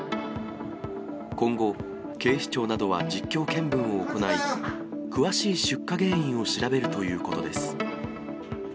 今後、警視庁などは実況見分を行い、詳しい出火原因を調べるということです。